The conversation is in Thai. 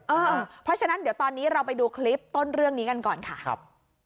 เพราะฉะนั้นเดี๋ยวตอนนี้เราไปดูคลิปต้นเรื่องนี้กันก่อนค่ะครับ